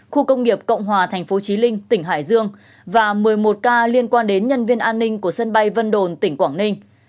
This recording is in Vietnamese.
khu công nghiệp cộng hòa thành phố trí linh tỉnh hải dương và một mươi một ca liên quan đến nhân viên an ninh của sân bay vân đồn tỉnh quảng ninh